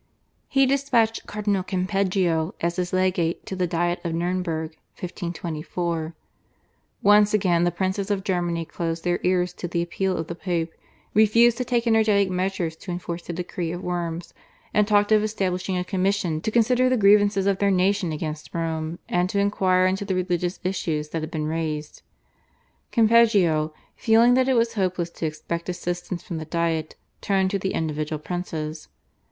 He despatched Cardinal Campeggio as his legate to the Diet of Nurnberg (1524). Once again the princes of Germany closed their ears to the appeal of the Pope, refused to take energetic measures to enforce the decree of Worms, and talked of establishing a commission to consider the grievances of their nation against Rome, and to inquire into the religious issues that had been raised. Campeggio, feeling that it was hopeless to expect assistance from the Diet, turned to the individual princes.